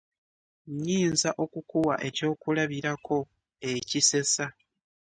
Nnyinza okukuwa ekyokulabirako ekisesa.